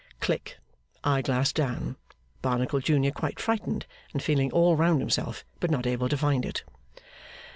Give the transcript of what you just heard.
(Click! Eye glass down. Barnacle Junior quite frightened and feeling all round himself, but not able to find it.)